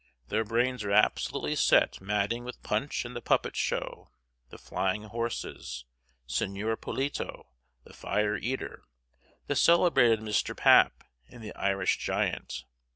Their brains are absolutely set madding with Punch and the Puppet Show, the Flying Horses, Signior Polito, the Fire Eater, the celebrated Mr. Paap, and the Irish Giant.